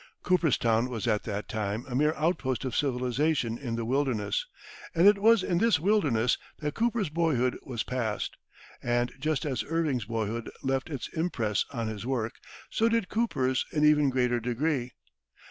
Cooperstown was at that time a mere outpost of civilization in the wilderness, and it was in this wilderness that Cooper's boyhood was passed. And just as Irving's boyhood left its impress on his work, so did Cooper's in even greater degree.